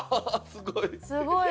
すごい！